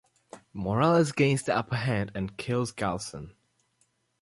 Morales gains the upper hand and kills Galson.